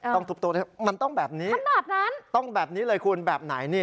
ต้องถูกตัวมันต้องแบบนี้ขนาดนั้นต้องแบบนี้เลยคุณแบบไหนนี่